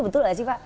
betul tidak sih pak